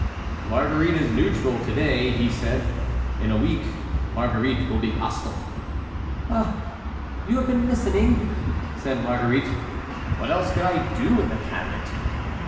"Marguerite is neutral to day," he said; "in a week Marguerite will be hostile." "Ah! you have been listening?" said Marguerite. "What else could I do in the cabinet?"